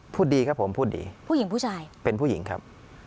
พูดดีครับผมพูดดีผู้หญิงผู้ชายเป็นผู้หญิงครับ